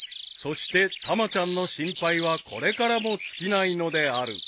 ［そしてたまちゃんの心配はこれからも尽きないのである］